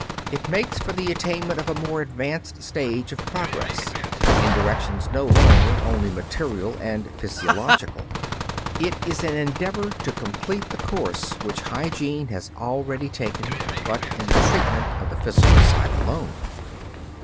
It makes for the attainment of a more advanced stage of progress, in directions no longer only material and physiological. It is an endeavor to complete the course which hygiene has already taken, but in the treatment of the physical side alone.